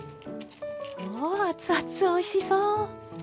うわ熱々おいしそう！